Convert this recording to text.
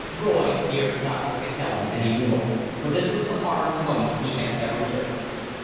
Roy dared not look at Helen any more, for this was the hardest moment he had ever lived.